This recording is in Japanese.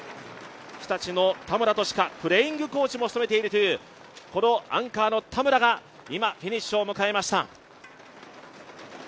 日立のプレーングコーチも務めている、このアンカーの田村が今、フィニッシュを迎えました。